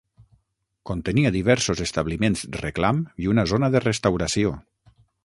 Contenia diversos establiments reclam i una zona de restauració.